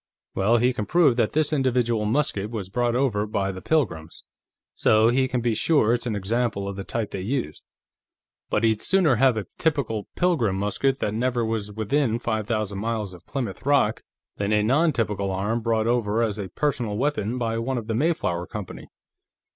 Well, he can prove that this individual musket was brought over by the Pilgrims, so he can be sure it's an example of the type they used. But he'd sooner have a typical Pilgrim musket that never was within five thousand miles of Plymouth Rock than a non typical arm brought over as a personal weapon by one of the Mayflower Company."